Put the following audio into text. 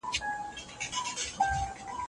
بهرنی سیاست د ملي شتمنیو د ساتلو لپاره دی.